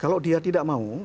kalau dia tidak mau